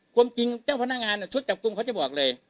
ความจริงเจ้าพนักงานชุดจับกลุ่มเขาจะบอกเลย